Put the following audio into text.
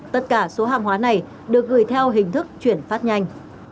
tất cả số hàng hóa này được gửi theo hình thức chuyển phát nhanh